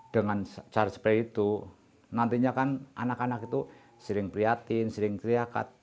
dengan cara seperti itu nantinya kan anak anak itu sering prihatin sering teriakan